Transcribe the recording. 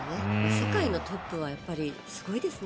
世界のトップはすごいですね。